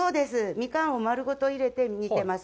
ミカンを丸ごと入れて煮てます。